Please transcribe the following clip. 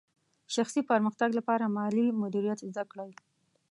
شخصي پرمختګ لپاره مالي مدیریت زده کړئ.